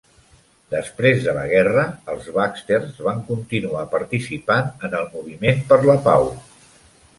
Després de la guerra, els Baxters van continuar participant en el moviment per la pau.